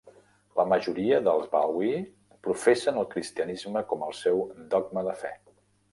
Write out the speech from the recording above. La majoria dels Badwe'e professen el cristianisme com el seu dogma de fe.